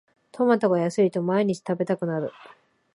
トマトが安いと毎日食べたくなる